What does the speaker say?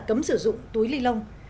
cấm sử dụng túi ly lông